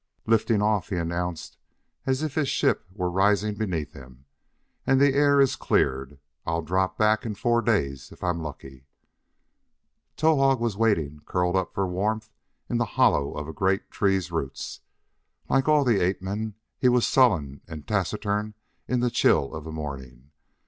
"Lifting off!" he announced as if his ship were rising beneath him, "and the air is cleared. I'll drop back in four days if I'm lucky." Towahg was waiting, curled up for warmth in the hollow of a great tree's roots. Like all the ape men he was sullen and taciturn in the chill of the morning.